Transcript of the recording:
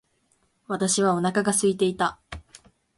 私はお腹が空いていた。